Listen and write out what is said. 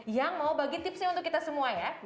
yang mau bagi tipsnya untuk kita semua ya